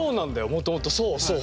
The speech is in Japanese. もともとそうそう。